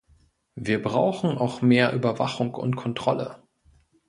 Wir brauchen auch mehr Überwachung und Kontrolle.